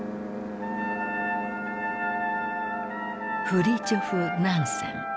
フリチョフ・ナンセン。